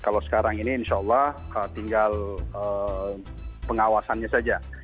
kalau sekarang ini insya allah tinggal pengawasannya saja